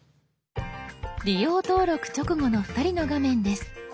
利用登録直後の２人の画面です。